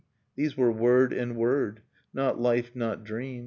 These were word and word : I Not life, not dream.